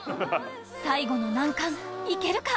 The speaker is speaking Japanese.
最後の難関行けるか？